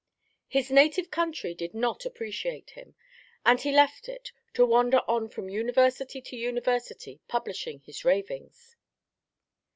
His native country did not appreciate him, and he left it to wander on from university to university, publishing his ravings.